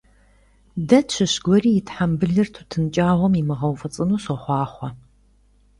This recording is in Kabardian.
Дэ тщыщ гуэри и тхьэмбылыр тутын кӀагъуэм имыгъэуфӀыцӀыну сохъуахъуэ!